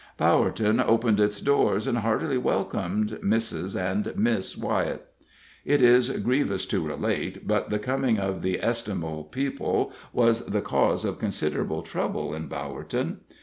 Bowerton opened its doors, and heartily welcomed Mrs. and Miss Wyett. It is grievous to relate, but the coming of the estimable people was the cause of considerable trouble in Bowerton.